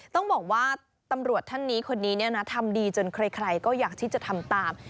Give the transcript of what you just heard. ต้องบอกว่าตำรวจท่านนี้คนนี้ทำดีจนใครก็อยากที่จะทำตาม